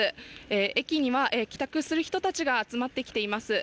駅には帰宅する人たちが集まってきています。